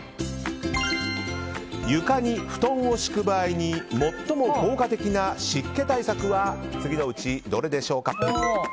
床に布団を敷く場合に最も効果的な湿気対策は次のうちどれでしょうか。